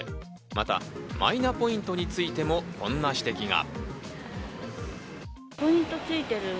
またマイナポイントについてもこんな指摘が。